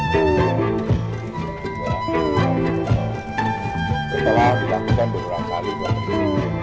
pemaparan pin buah anak setelah dilakukan beberapa kali memperiksa